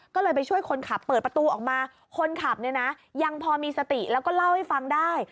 ก็เลยไปช่วยคนขับเปิดประตูออกมาคนขับเนี่ยนะยังพอมีสติแล้วก็เล่าให้ฟังได้